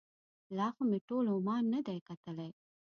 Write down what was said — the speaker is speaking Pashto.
لا خو مې ټول عمان نه دی کتلی.